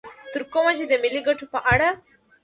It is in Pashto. تر کومه چې د ملي ګټو په اړه